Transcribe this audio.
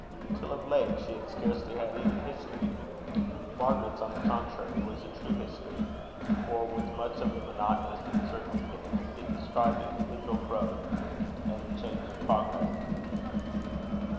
Till of late, she had scarcely had any history. Margaret's, on the contrary, was a true history; for, with much of the monotonous in circumstance, it described individual growth, and the change of progress.